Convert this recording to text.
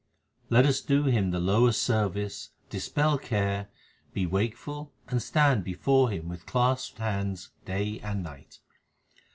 Let us do him the lowest service, dispel care, be wakeful and stand before him with clasped hands day and night.